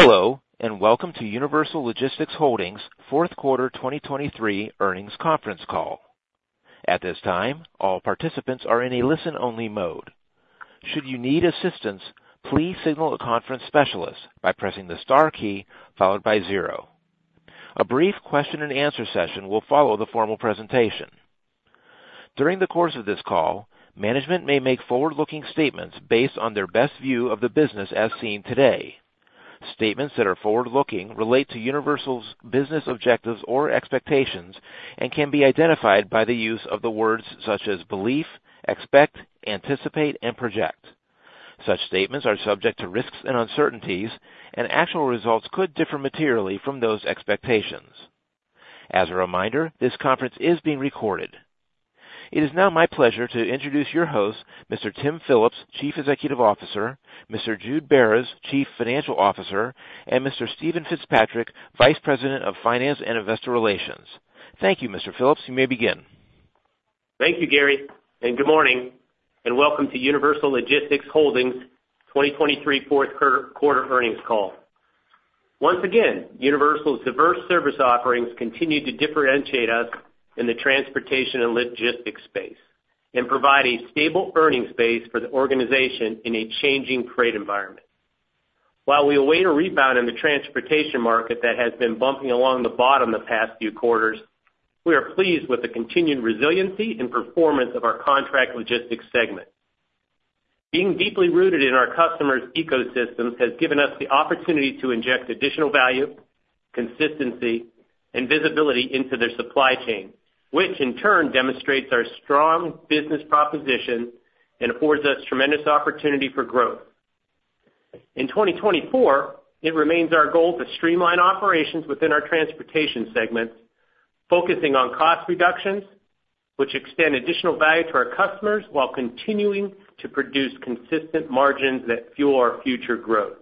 Hello and welcome to Universal Logistics Holdings' fourth quarter 2023 earnings conference call. At this time, all participants are in a listen-only mode. Should you need assistance, please signal a conference specialist by pressing the star key followed by 0. A brief question-and-answer session will follow the formal presentation. During the course of this call, management may make forward-looking statements based on their best view of the business as seen today. Statements that are forward-looking relate to Universal's business objectives or expectations and can be identified by the use of the words such as belief, expect, anticipate, and project. Such statements are subject to risks and uncertainties, and actual results could differ materially from those expectations. As a reminder, this conference is being recorded. It is now my pleasure to introduce your hosts, Mr. Tim Phillips, Chief Executive Officer, Mr. Jude Beres, Chief Financial Officer, and Mr. Steven Fitzpatrick, Vice President of Finance and Investor Relations. Thank you, Mr. Phillips. You may begin. Thank you, Gary, and good morning. Welcome to Universal Logistics Holdings' 2023 fourth quarter earnings call. Once again, Universal's diverse service offerings continue to differentiate us in the transportation and logistics space and provide a stable earnings base for the organization in a changing trade environment. While we await a rebound in the transportation market that has been bumping along the bottom the past few quarters, we are pleased with the continued resiliency and performance of our contract logistics segment. Being deeply rooted in our customers' ecosystems has given us the opportunity to inject additional value, consistency, and visibility into their supply chain, which in turn demonstrates our strong business proposition and affords us tremendous opportunity for growth. In 2024, it remains our goal to streamline operations within our transportation segments, focusing on cost reductions, which extend additional value to our customers while continuing to produce consistent margins that fuel our future growth.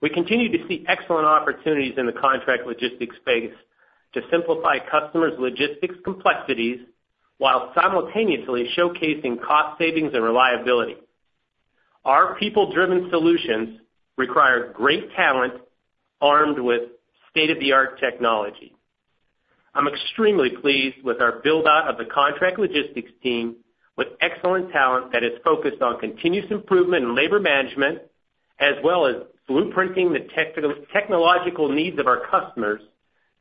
We continue to see excellent opportunities in the contract logistics space to simplify customers' logistics complexities while simultaneously showcasing cost savings and reliability. Our people-driven solutions require great talent armed with state-of-the-art technology. I'm extremely pleased with our build-out of the contract logistics team with excellent talent that is focused on continuous improvement in labor management, as well as blueprinting the technological needs of our customers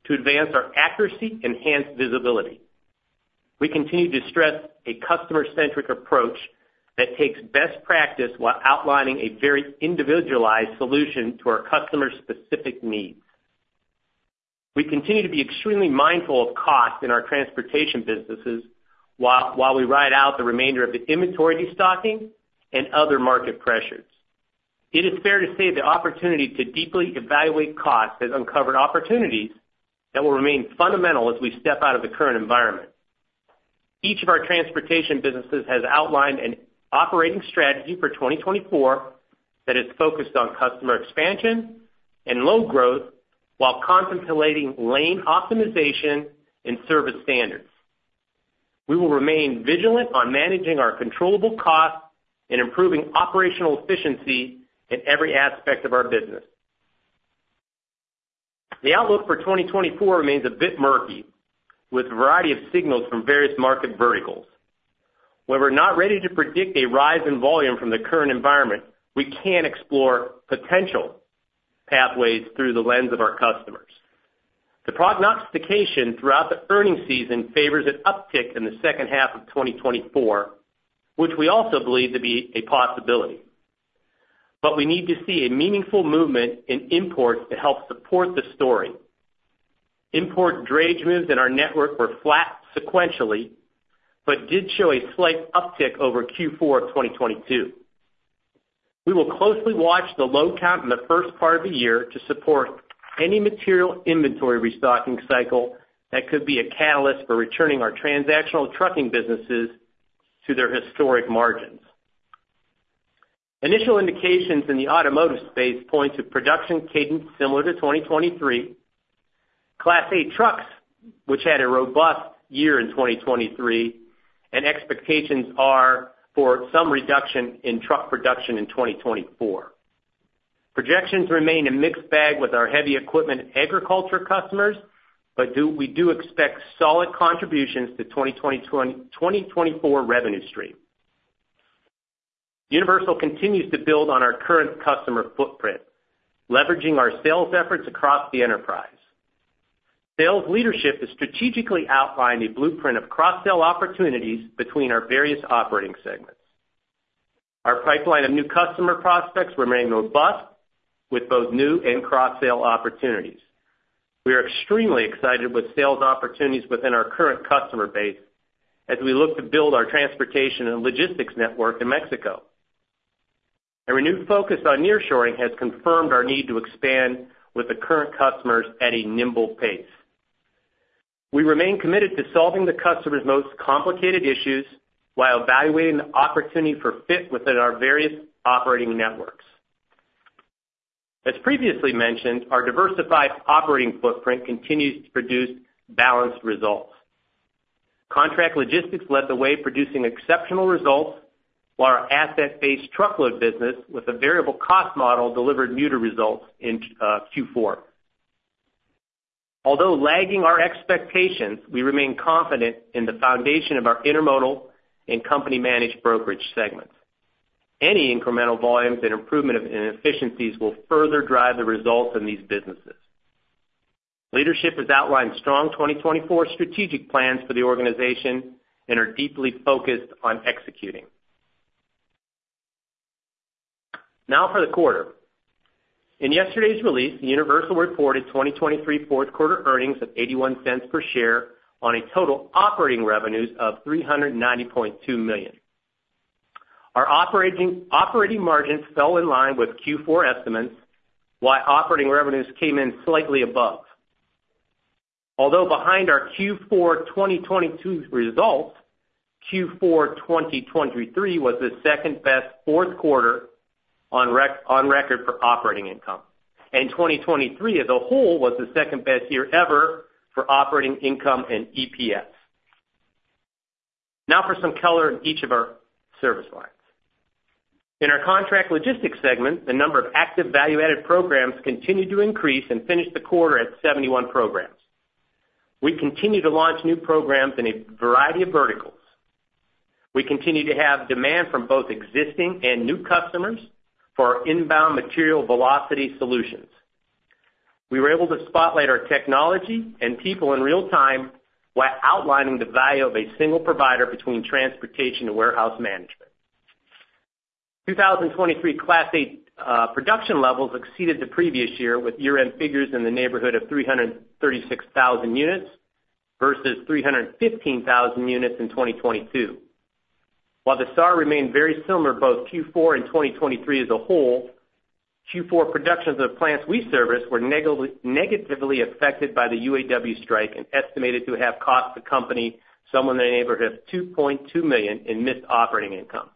to advance our accuracy and enhanced visibility. We continue to stress a customer-centric approach that takes best practice while outlining a very individualized solution to our customers' specific needs. We continue to be extremely mindful of cost in our transportation businesses while we ride out the remainder of the inventory destocking and other market pressures. It is fair to say the opportunity to deeply evaluate costs has uncovered opportunities that will remain fundamental as we step out of the current environment. Each of our transportation businesses has outlined an operating strategy for 2024 that is focused on customer expansion and load growth while contemplating lane optimization and service standards. We will remain vigilant on managing our controllable costs and improving operational efficiency in every aspect of our business. The outlook for 2024 remains a bit murky, with a variety of signals from various market verticals. While we're not ready to predict a rise in volume from the current environment, we can explore potential pathways through the lens of our customers. The prognostication throughout the earnings season favors an uptick in the second half of 2024, which we also believe to be a possibility. But we need to see a meaningful movement in imports to help support the story. Import drayage moves in our network were flat sequentially but did show a slight uptick over Q4 of 2022. We will closely watch the load count in the first part of the year to support any material inventory restocking cycle that could be a catalyst for returning our transactional trucking businesses to their historic margins. Initial indications in the automotive space point to production cadence similar to 2023. Class 8 trucks, which had a robust year in 2023, and expectations are for some reduction in truck production in 2024. Projections remain a mixed bag with our heavy equipment agriculture customers, but we do expect solid contributions to 2024 revenue stream. Universal continues to build on our current customer footprint, leveraging our sales efforts across the enterprise. Sales leadership is strategically outlining a blueprint of cross-sale opportunities between our various operating segments. Our pipeline of new customer prospects remains robust, with both new and cross-sale opportunities. We are extremely excited with sales opportunities within our current customer base as we look to build our transportation and logistics network in Mexico. A renewed focus on nearshoring has confirmed our need to expand with the current customers at a nimble pace. We remain committed to solving the customers' most complicated issues while evaluating the opportunity for fit within our various operating networks. As previously mentioned, our diversified operating footprint continues to produce balanced results. Contract logistics led the way, producing exceptional results, while our asset-based truckload business with a variable cost model delivered modest results in Q4. Although lagging our expectations, we remain confident in the foundation of our intermodal and company-managed brokerage segments. Any incremental volumes and improvement in efficiencies will further drive the results in these businesses. Leadership has outlined strong 2024 strategic plans for the organization and are deeply focused on executing. Now for the quarter. In yesterday's release, Universal reported 2023 fourth quarter earnings of $0.81 per share on total operating revenues of $390.2 million. Our operating margins fell in line with Q4 estimates, while operating revenues came in slightly above. Although behind our Q4 2022 results, Q4 2023 was the second-best fourth quarter on record for operating income. 2023 as a whole was the second-best year ever for operating income and EPS. Now for some color in each of our service lines. In our contract logistics segment, the number of active value-added programs continued to increase and finished the quarter at 71 programs. We continue to launch new programs in a variety of verticals. We continue to have demand from both existing and new customers for our inbound material velocity solutions. We were able to spotlight our technology and people in real time while outlining the value of a single provider between transportation and warehouse management. 2023 Class 8 production levels exceeded the previous year with year-end figures in the neighborhood of 336,000 units versus 315,000 units in 2022. While the SAR remained very similar both Q4 and 2023 as a whole, Q4 productions of plants we service were negatively affected by the UAW strike and estimated to have cost the company somewhere in the neighborhood of $2.2 million in missed operating income.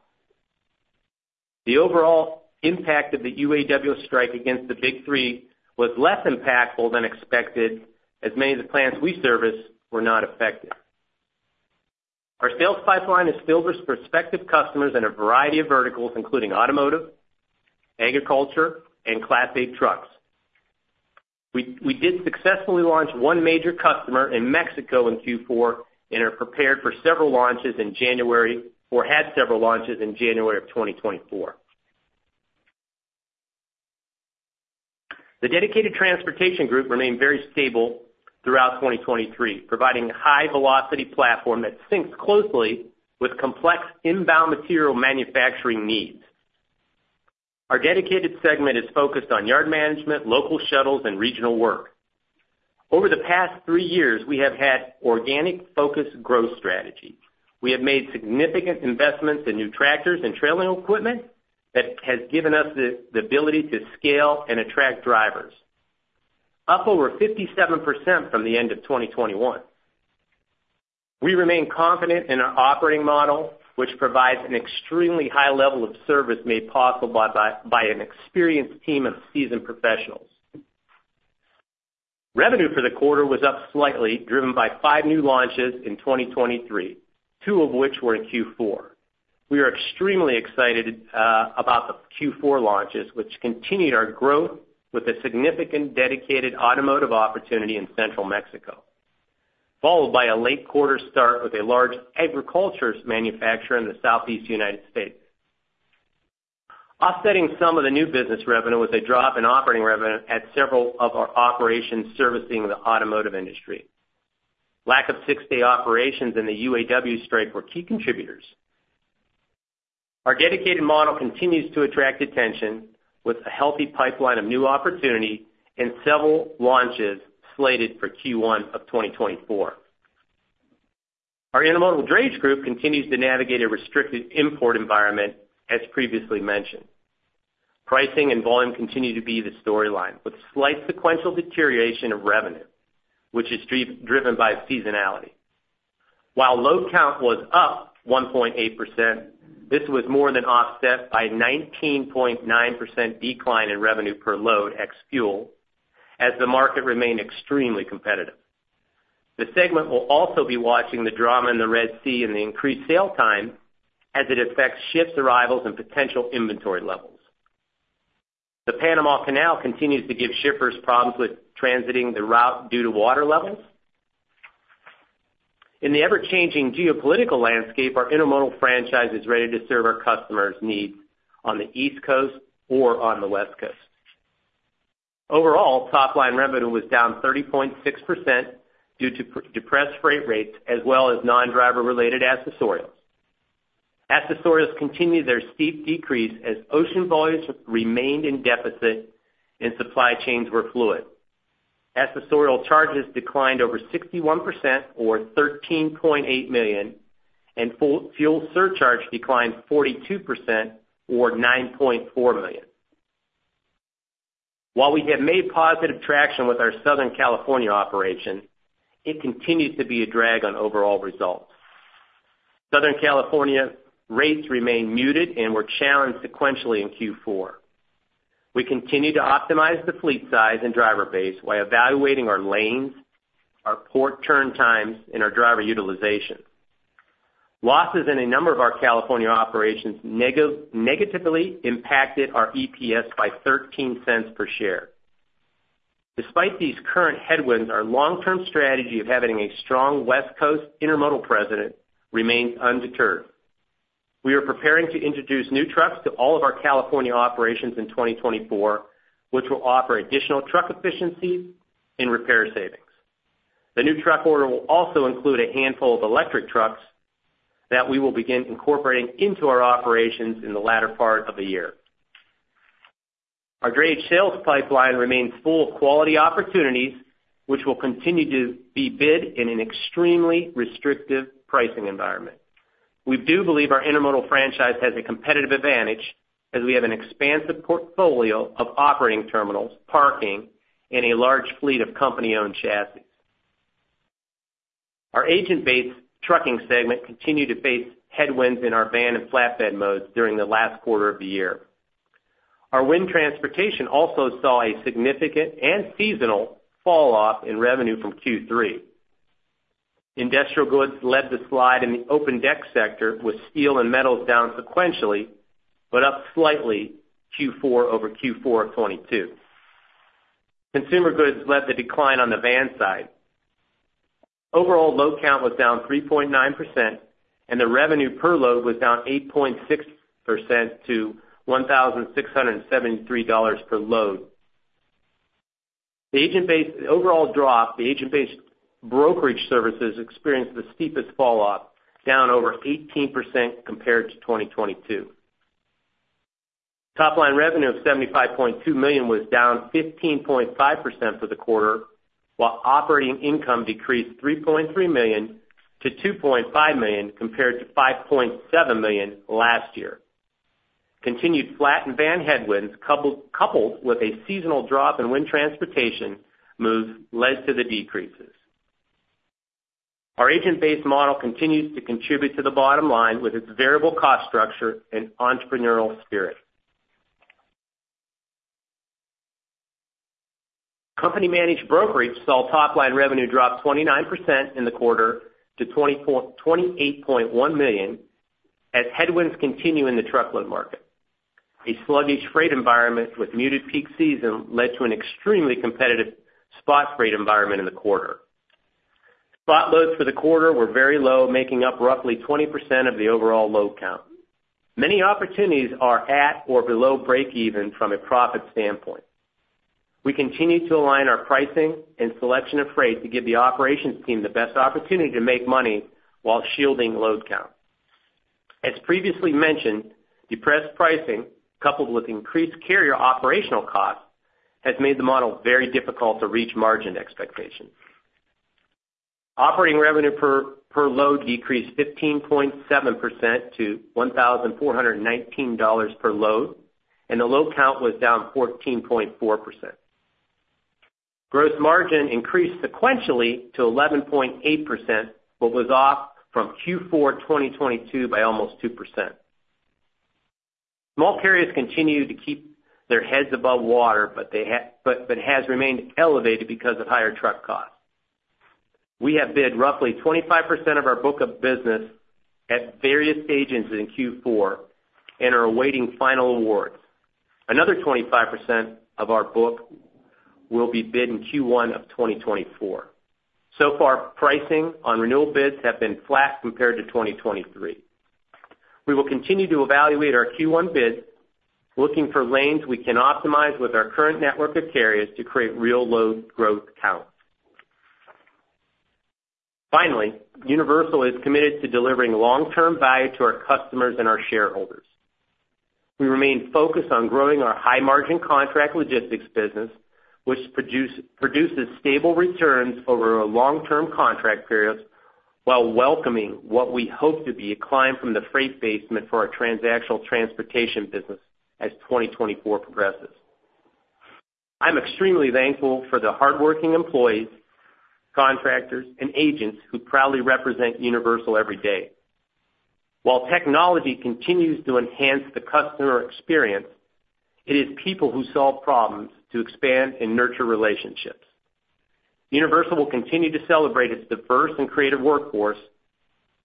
The overall impact of the UAW strike against the Big Three was less impactful than expected as many of the plants we service were not affected. Our sales pipeline is filled with prospective customers in a variety of verticals including automotive, agriculture, and Class 8 trucks. We did successfully launch one major customer in Mexico in Q4 and are prepared for several launches in January or had several launches in January of 2024. The dedicated transportation group remained very stable throughout 2023, providing a high-velocity platform that syncs closely with complex inbound material manufacturing needs. Our dedicated segment is focused on yard management, local shuttles, and regional work. Over the past three years, we have had organic-focused growth strategies. We have made significant investments in new tractors and trailing equipment that has given us the ability to scale and attract drivers, up over 57% from the end of 2021. We remain confident in our operating model, which provides an extremely high level of service made possible by an experienced team of seasoned professionals. Revenue for the quarter was up slightly, driven by five new launches in 2023, two of which were in Q4. We are extremely excited about the Q4 launches, which continued our growth with a significant dedicated automotive opportunity in central Mexico, followed by a late quarter start with a large agriculture manufacturer in the Southeast United States. Offsetting some of the new business revenue was a drop in operating revenue at several of our operations servicing the automotive industry. Lack of six-day operations in the UAW strike were key contributors. Our dedicated model continues to attract attention with a healthy pipeline of new opportunity and several launches slated for Q1 of 2024. Our intermodal drayage group continues to navigate a restricted import environment, as previously mentioned. Pricing and volume continue to be the storyline, with slight sequential deterioration of revenue, which is driven by seasonality. While load count was up 1.8%, this was more than offset by a 19.9% decline in revenue per load ex-fuel as the market remained extremely competitive. The segment will also be watching the drama in the Red Sea and the increased sail time as it affects ships' arrivals and potential inventory levels. The Panama Canal continues to give shippers problems with transiting the route due to water levels. In the ever-changing geopolitical landscape, our intermodal franchise is ready to serve our customers' needs on the East Coast or on the West Coast. Overall, top-line revenue was down 30.6% due to depressed freight rates as well as non-driver-related accessorials. Accessorials continued their steep decrease as ocean volumes remained in deficit and supply chains were fluid. Accessorial charges declined over 61% or $13.8 million, and fuel surcharge declined 42% or $9.4 million. While we have made positive traction with our Southern California operation, it continues to be a drag on overall results. Southern California rates remained muted and were challenged sequentially in Q4. We continue to optimize the fleet size and driver base while evaluating our lanes, our port turn times, and our driver utilization. Losses in a number of our California operations negatively impacted our EPS by $0.13 per share. Despite these current headwinds, our long-term strategy of having a strong West Coast intermodal presence remains undeterred. We are preparing to introduce new trucks to all of our California operations in 2024, which will offer additional truck efficiency and repair savings. The new truck order will also include a handful of electric trucks that we will begin incorporating into our operations in the latter part of the year. Our drayage sales pipeline remains full of quality opportunities, which will continue to be bid in an extremely restrictive pricing environment. We do believe our intermodal franchise has a competitive advantage as we have an expansive portfolio of operating terminals, parking, and a large fleet of company-owned chassis. Our agent-based trucking segment continued to face headwinds in our van and flatbed modes during the last quarter of the year. Our wind transportation also saw a significant and seasonal fall-off in revenue from Q3. Industrial goods led the slide in the open-deck sector, with steel and metals down sequentially but up slightly Q4 over Q4 of 2022. Consumer goods led the decline on the van side. Overall load count was down 3.9%, and the revenue per load was down 8.6% to $1,673 per load. The agent-based overall drop, the agent-based brokerage services experienced the steepest fall-off, down over 18% compared to 2022. Top-line revenue of $75.2 million was down 15.5% for the quarter, while operating income decreased $3.3 million to $2.5 million compared to $5.7 million last year. Continued flat and van headwinds, coupled with a seasonal drop in wind transportation moves, led to the decreases. Our agent-based model continues to contribute to the bottom line with its variable cost structure and entrepreneurial spirit. Company-managed brokerage saw top-line revenue drop 29% in the quarter to $28.1 million as headwinds continue in the truckload market. A sluggish freight environment with muted peak season led to an extremely competitive spot freight environment in the quarter. Spot loads for the quarter were very low, making up roughly 20% of the overall load count. Many opportunities are at or below break-even from a profit standpoint. We continue to align our pricing and selection of freight to give the operations team the best opportunity to make money while shielding load count. As previously mentioned, depressed pricing coupled with increased carrier operational costs has made the model very difficult to reach margin expectations. Operating revenue per load decreased 15.7% to $1,419 per load, and the load count was down 14.4%. Gross margin increased sequentially to 11.8%, but was off from Q4 2022 by almost 2%. Small carriers continue to keep their heads above water, but has remained elevated because of higher truck costs. We have bid roughly 25% of our book of business at various stages in Q4 and are awaiting final awards. Another 25% of our book will be bid in Q1 of 2024. So far, pricing on renewal bids have been flat compared to 2023. We will continue to evaluate our Q1 bids, looking for lanes we can optimize with our current network of carriers to create real load growth counts. Finally, Universal is committed to delivering long-term value to our customers and our shareholders. We remain focused on growing our high-margin contract logistics business, which produces stable returns over long-term contract periods while welcoming what we hope to be a climb from the freight basement for our transactional transportation business as 2024 progresses. I'm extremely thankful for the hardworking employees, contractors, and agents who proudly represent Universal every day. While technology continues to enhance the customer experience, it is people who solve problems to expand and nurture relationships. Universal will continue to celebrate its diverse and creative workforce,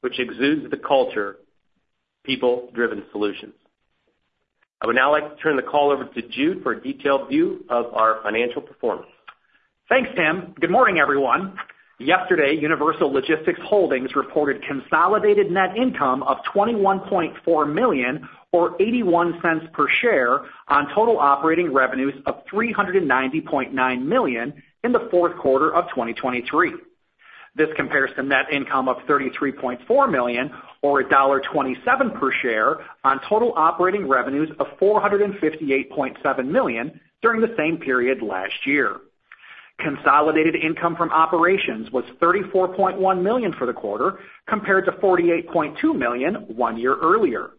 which exudes the culture of people-driven solutions. I would now like to turn the call over to Jude for a detailed view of our financial performance. Thanks, Tim. Good morning, everyone. Yesterday, Universal Logistics Holdings reported consolidated net income of $21.4 million or $0.81 per share on total operating revenues of $390.9 million in the fourth quarter of 2023. This compares to net income of $33.4 million or $1.27 per share on total operating revenues of $458.7 million during the same period last year. Consolidated income from operations was $34.1 million for the quarter compared to $48.2 million one year earlier.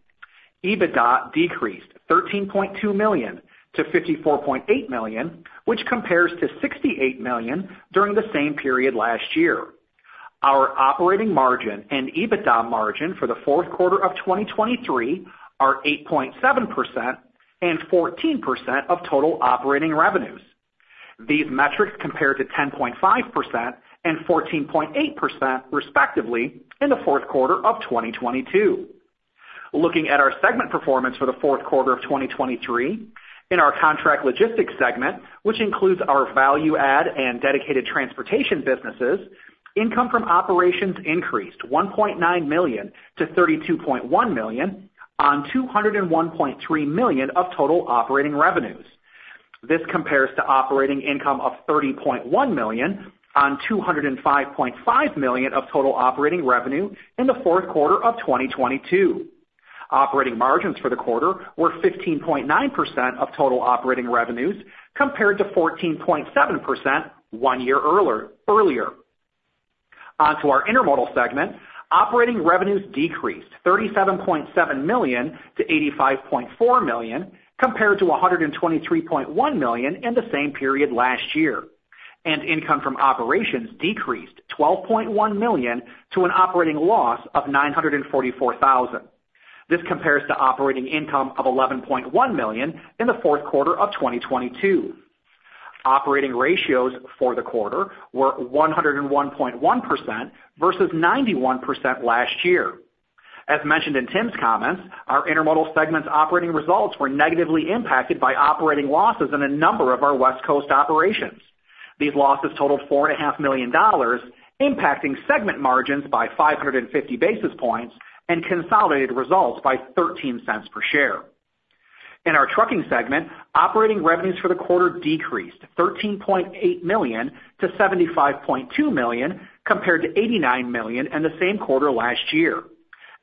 EBITDA decreased $13.2 million to $54.8 million, which compares to $68 million during the same period last year. Our operating margin and EBITDA margin for the fourth quarter of 2023 are 8.7% and 14% of total operating revenues. These metrics compare to 10.5% and 14.8%, respectively, in the fourth quarter of 2022. Looking at our segment performance for the fourth quarter of 2023, in our contract logistics segment, which includes our value-add and dedicated transportation businesses, income from operations increased $1.9 million to $32.1 million on $201.3 million of total operating revenues. This compares to operating income of $30.1 million on $205.5 million of total operating revenue in the fourth quarter of 2022. Operating margins for the quarter were 15.9% of total operating revenues compared to 14.7% one year earlier. Onto our intermodal segment, operating revenues decreased $37.7 million to $85.4 million compared to $123.1 million in the same period last year, and income from operations decreased $12.1 million to an operating loss of $944,000. This compares to operating income of $11.1 million in the fourth quarter of 2022. Operating ratios for the quarter were 101.1% versus 91% last year. As mentioned in Tim's comments, our intermodal segment's operating results were negatively impacted by operating losses in a number of our West Coast operations. These losses totaled $4.5 million, impacting segment margins by 550 basis points and consolidated results by $0.13 per share. In our trucking segment, operating revenues for the quarter decreased $13.8 million to $75.2 million compared to $89 million in the same quarter last year,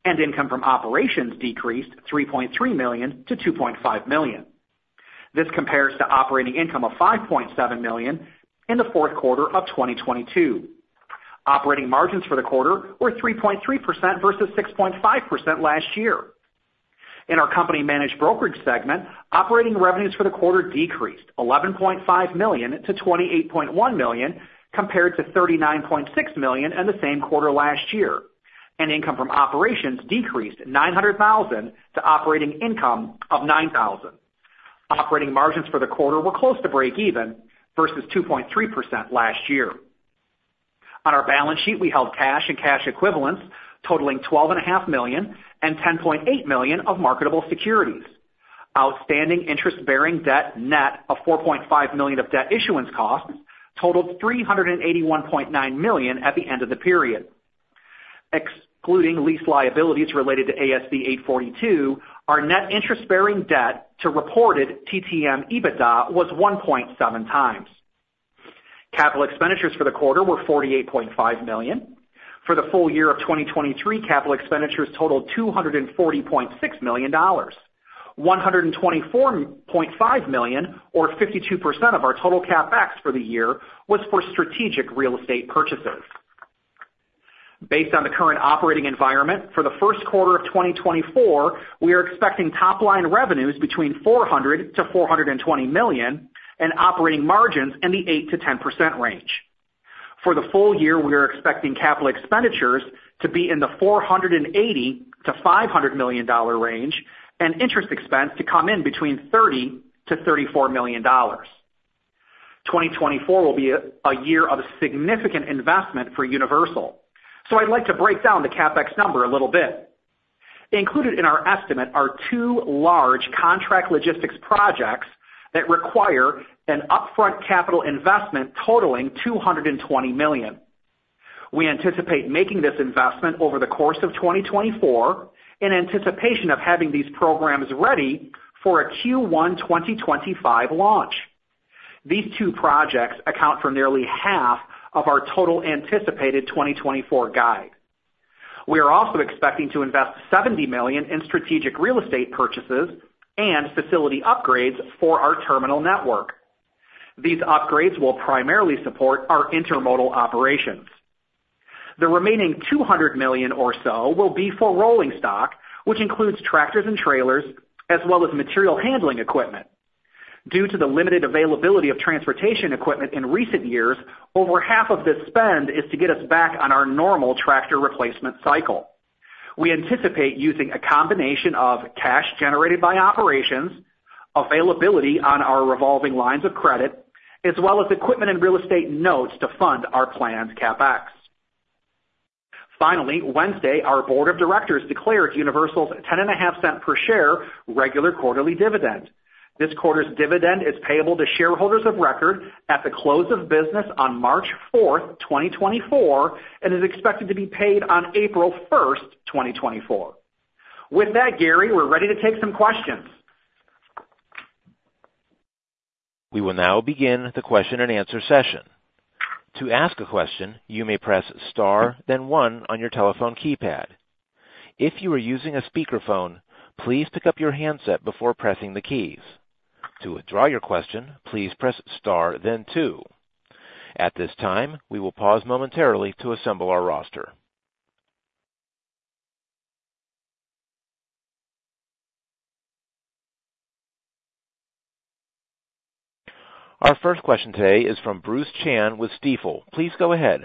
and income from operations decreased $3.3 million to $2.5 million. This compares to operating income of $5.7 million in the fourth quarter of 2022. Operating margins for the quarter were 3.3% versus 6.5% last year. In our company-managed brokerage segment, operating revenues for the quarter decreased $11.5 million to $28.1 million compared to $39.6 million in the same quarter last year, and income from operations decreased $900,000 to operating income of $9,000. Operating margins for the quarter were close to break-even versus 2.3% last year. On our balance sheet, we held cash and cash equivalents totaling $12.5 million and $10.8 million of marketable securities. Outstanding interest-bearing debt net of $4.5 million of debt issuance costs totaled $381.9 million at the end of the period. Excluding lease liabilities related to ASC 842, our net interest-bearing debt to reported TTM EBITDA was 1.7 times. Capital expenditures for the quarter were $48.5 million. For the full year of 2023, capital expenditures totaled $240.6 million. $124.5 million or 52% of our total CapEx for the year was for strategic real estate purchases. Based on the current operating environment for the first quarter of 2024, we are expecting top-line revenues between $400 million-$420 million and operating margins in the 8%-10% range. For the full year, we are expecting capital expenditures to be in the $480-$500 million range and interest expense to come in between $30-$34 million. 2024 will be a year of significant investment for Universal, so I'd like to break down the CapEx number a little bit. Included in our estimate are two large contract logistics projects that require an upfront capital investment totaling $220 million. We anticipate making this investment over the course of 2024 in anticipation of having these programs ready for a Q1 2025 launch. These two projects account for nearly half of our total anticipated 2024 guide. We are also expecting to invest $70 million in strategic real estate purchases and facility upgrades for our terminal network. These upgrades will primarily support our intermodal operations. The remaining $200 million or so will be for rolling stock, which includes tractors and trailers as well as material handling equipment. Due to the limited availability of transportation equipment in recent years, over half of this spend is to get us back on our normal tractor replacement cycle. We anticipate using a combination of cash generated by operations, availability on our revolving lines of credit, as well as equipment and real estate notes to fund our plan's CapEx. Finally, Wednesday, our board of directors declared Universal's $0.105 per share regular quarterly dividend. This quarter's dividend is payable to shareholders of record at the close of business on March 4, 2024, and is expected to be paid on April 1, 2024. With that, Gary, we're ready to take some questions. We will now begin the question and answer session. To ask a question, you may press * then 1 on your telephone keypad. If you are using a speakerphone, please pick up your handset before pressing the keys. To withdraw your question, please press * then 2. At this time, we will pause momentarily to assemble our roster. Our first question today is from Bruce Chan with Stifel. Please go ahead.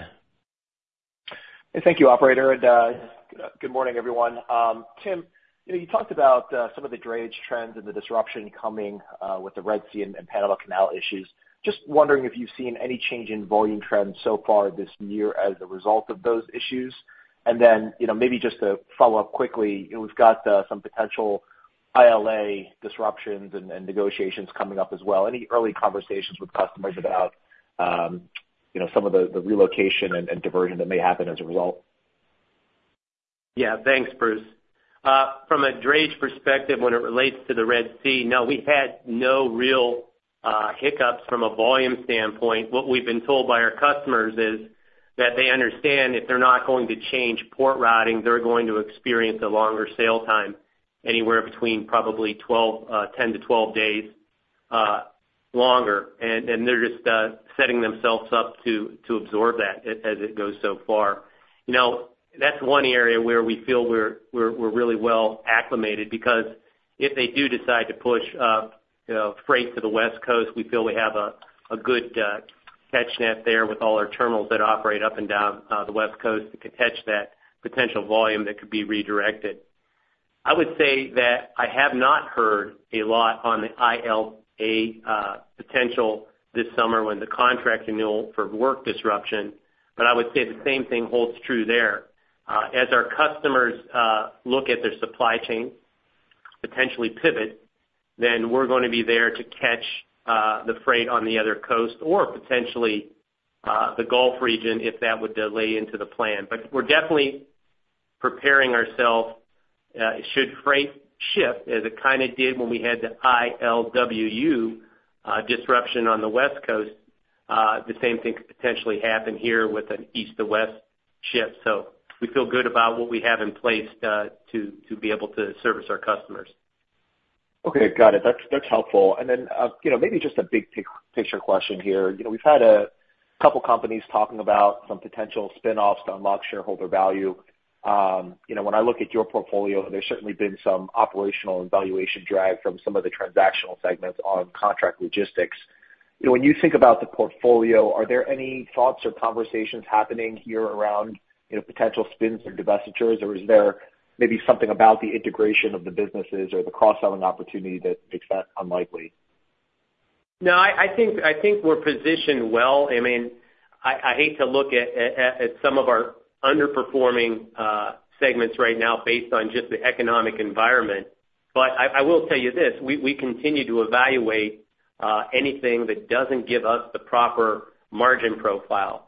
Hey, thank you, operator. Good morning, everyone. Tim, you talked about some of the drayage trends and the disruption coming with the Red Sea and Panama Canal issues. Just wondering if you've seen any change in volume trends so far this year as a result of those issues. And then maybe just to follow up quickly, we've got some potential ILA disruptions and negotiations coming up as well. Any early conversations with customers about some of the relocation and diversion that may happen as a result? Yeah, thanks, Bruce. From a drayage perspective, when it relates to the Red Sea, no, we've had no real hiccups from a volume standpoint. What we've been told by our customers is that they understand if they're not going to change port routing, they're going to experience a longer sail time anywhere between probably 10-12 days longer. And they're just setting themselves up to absorb that as it goes so far. That's one area where we feel we're really well acclimated because if they do decide to push freight to the West Coast, we feel we have a good catch net there with all our terminals that operate up and down the West Coast that can catch that potential volume that could be redirected. I would say that I have not heard a lot on the ILA potential this summer when the contract renewal for work disruption. But I would say the same thing holds true there. As our customers look at their supply chain, potentially pivot, then we're going to be there to catch the freight on the other coast or potentially the Gulf region if that would lay into the plan. But we're definitely preparing ourselves should freight shift as it kind of did when we had the ILWU disruption on the West Coast, the same thing could potentially happen here with an east-to-west shift. So we feel good about what we have in place to be able to service our customers. Okay, got it. That's helpful. And then maybe just a big picture question here. We've had a couple of companies talking about some potential spinoffs to unlock shareholder value. When I look at your portfolio, there's certainly been some operational and valuation drag from some of the transactional segments on contract logistics. When you think about the portfolio, are there any thoughts or conversations happening here around potential spins and divestitures, or is there maybe something about the integration of the businesses or the cross-selling opportunity that makes that unlikely? No, I think we're positioned well. I mean, I hate to look at some of our underperforming segments right now based on just the economic environment. But I will tell you this, we continue to evaluate anything that doesn't give us the proper margin profile.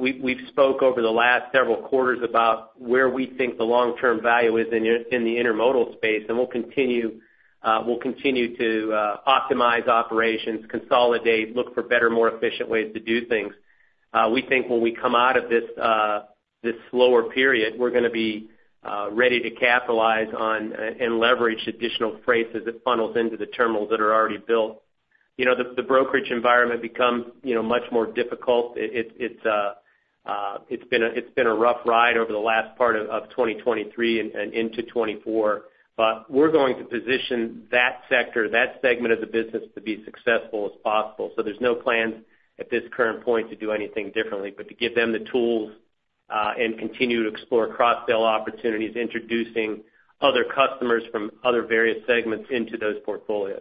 We've spoke over the last several quarters about where we think the long-term value is in the intermodal space, and we'll continue to optimize operations, consolidate, look for better, more efficient ways to do things. We think when we come out of this slower period, we're going to be ready to capitalize on and leverage additional freight as it funnels into the terminals that are already built. The brokerage environment becomes much more difficult. It's been a rough ride over the last part of 2023 and into 2024. But we're going to position that sector, that segment of the business to be successful as possible. So there's no plans at this current point to do anything differently, but to give them the tools and continue to explore cross-sell opportunities, introducing other customers from other various segments into those portfolios.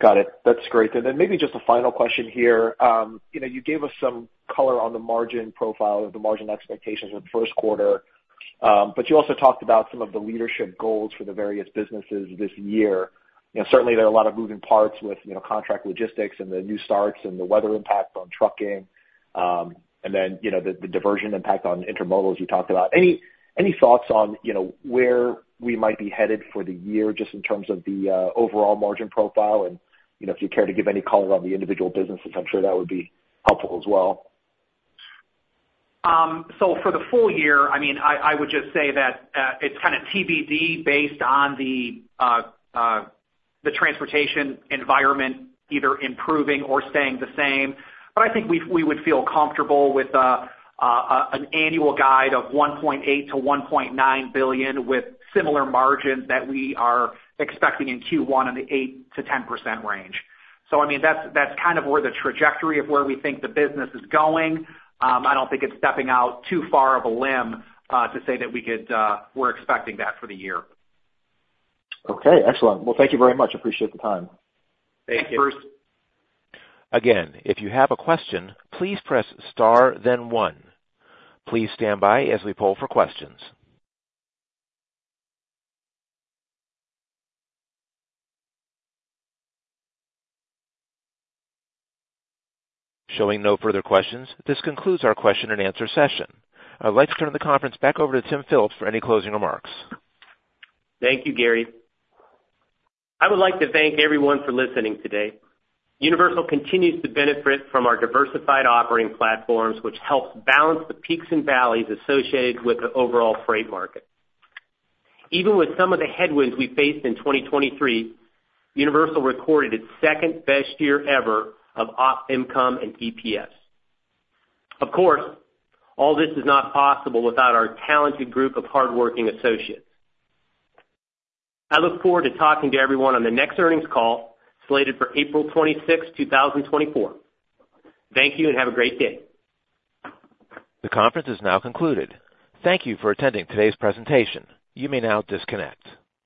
Got it. That's great. And then maybe just a final question here. You gave us some color on the margin profile of the margin expectations for the first quarter, but you also talked about some of the leadership goals for the various businesses this year. Certainly, there are a lot of moving parts with contract logistics and the new starts and the weather impact on trucking and then the diversion impact on intermodals you talked about. Any thoughts on where we might be headed for the year just in terms of the overall margin profile? And if you care to give any color on the individual businesses, I'm sure that would be helpful as well. So for the full year, I mean, I would just say that it's kind of TBD based on the transportation environment either improving or staying the same. But I think we would feel comfortable with an annual guide of $1.8 billion-$1.9 billion with similar margins that we are expecting in Q1 in the 8%-10% range. So I mean, that's kind of where the trajectory of where we think the business is going. I don't think it's stepping out too far of a limb to say that we're expecting that for the year. Okay, excellent. Well, thank you very much. Appreciate the time. Thank you. Thanks, Bruce. Again, if you have a question, please press star then 1. Please stand by as we pull for questions. Showing no further questions. This concludes our question and answer session. I'd like to turn the conference back over to Tim Phillips for any closing remarks. Thank you, Gary. I would like to thank everyone for listening today. Universal continues to benefit from our diversified operating platforms, which helps balance the peaks and valleys associated with the overall freight market. Even with some of the headwinds we faced in 2023, Universal recorded its second best year ever of op income and EPS. Of course, all this is not possible without our talented group of hardworking associates. I look forward to talking to everyone on the next earnings call slated for April 26, 2024. Thank you and have a great day. The conference is now concluded. Thank you for attending today's presentation. You may now disconnect.